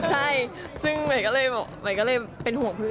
ใช่ซึ่งใหม่ก็เลยใหม่ก็เลยเป็นห่วงเพื่อน